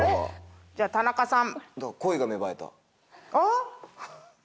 じゃあ田中さん。